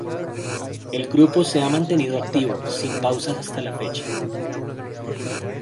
El grupo se ha mantenido activo sin pausas hasta la fecha.